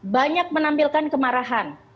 banyak menampilkan kemarahan